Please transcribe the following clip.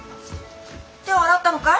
手は洗ったのかい？